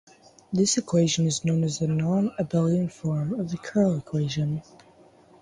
This equation is known as the non-Abelian form of the Curl Equation.